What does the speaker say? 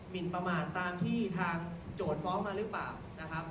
นประมาทตามที่ทางโจทย์ฟ้องมาหรือเปล่านะครับ